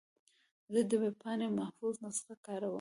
زه د ویب پاڼې محفوظ نسخه کاروم.